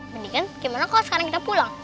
mendingan gimana kalau sekarang kita pulang